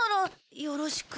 よろしく。